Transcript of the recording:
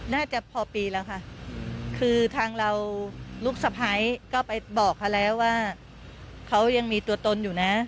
น่าจะพอปีแล้วค่ะคือทางเราลูกสะพ้ายก็ไปบอกเขาแล้วว่าเขายังมีตัวตนอยู่นะ